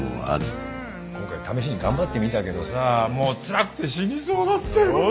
今回試しに頑張ってみたけどさもうつらくて死にそうだったよ。